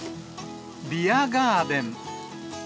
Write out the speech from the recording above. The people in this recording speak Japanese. ビアガーデン。